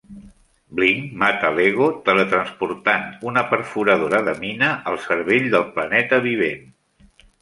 Blink mata l'Ego teletransportant una perforadora de mina al cervell del Planeta Vivent.